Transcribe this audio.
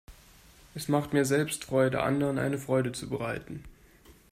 Es macht mir selbst Freude, anderen eine Freude zu bereiten.